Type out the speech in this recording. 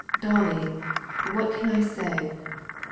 "Dolly, what can I say?...